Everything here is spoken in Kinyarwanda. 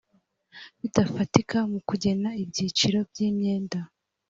bidafatika mu kugena ibyiciro by imyenda